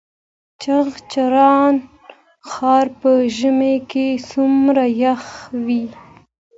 چغچران ښار په ژمي کې څومره یخ وي؟